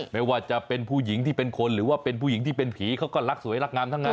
ไม่ว่าจะเป็นผู้หญิงที่เป็นคนหรือว่าเป็นผู้หญิงที่เป็นผีเขาก็รักสวยรักงามทั้งนั้น